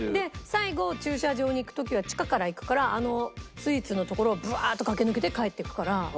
最後駐車場に行く時は地下から行くからスイーツのところをブワーッと駆け抜けて帰っていくから。